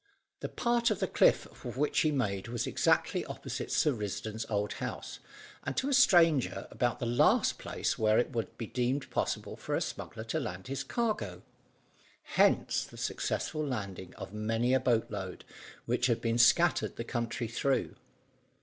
The part of the cliff for which he made was exactly opposite Sir Risdon's old house, and to a stranger about the last place where it would be deemed possible for a smuggler to land his cargo. Hence the successful landing of many a boat load, which had been scattered the country through.